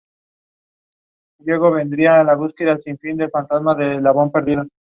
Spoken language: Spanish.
Takashi Matsuyama